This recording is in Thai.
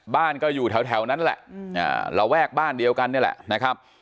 บ้านก็อยู่แถวนั้นแหละระแวกบ้านเดียวกันนี่แหละนะครับ